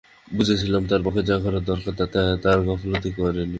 বুঝেছিলাম তাদের পক্ষে যা করা দরকার তাতে তারা গাফিলতি করেনি।